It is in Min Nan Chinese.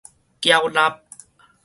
繳納